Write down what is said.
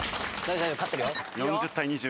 ４０対２０。